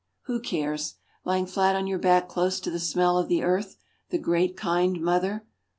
Who cares. Lying flat on your back close to the smell of the earth, the great kind mother.